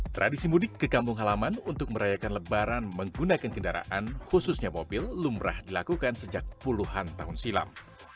tradisi mudik ke kampung halaman untuk merayakan lebaran menggunakan kendaraan khususnya mobil lumrah dilakukan sejak puluhan tahun silam